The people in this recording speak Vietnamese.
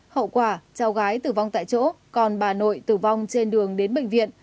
hậu quả cháu gái tử vong tại chỗ còn bà nội tử vong trên đường đến bệnh viện